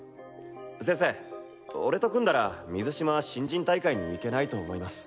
先生俺と組んだら水嶋は新人大会に行けないと思います。